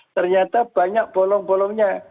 ternyata banyak bolong bolongnya